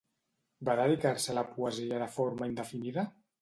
Va dedicar-se a la poesia de forma indefinida?